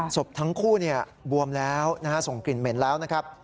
ศพทั้งคู่บวมแล้วนะฮะส่งกลิ่นเหม็นแล้วนะครับ